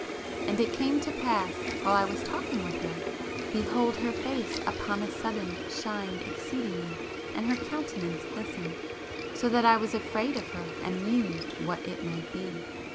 "And it came to pass while I was talking with her, behold her face upon a sudden shined exceedingly and her countenance glistened, so that I was afraid of her and mused what it might be.